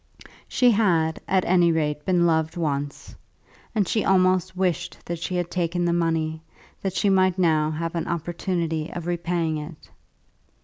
She had, at any rate, been loved once; and she almost wished that she had taken the money, that she might now have an opportunity of repaying it.